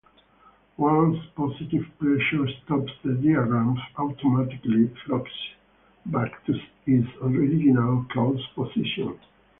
Once positive pressure stops, the diaphragm automatically flexes back to its original closed position.